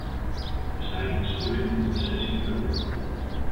Besides, who can leave the city poor?